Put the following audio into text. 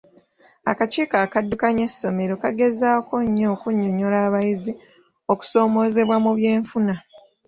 Akakiiko akaddukanya essomero kaagezaako okunnyonnyola abayizi okuzoomoozebwa mu byenfuna.